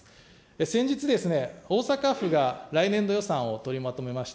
先日ですね、大阪府が来年度予算を取りまとめました。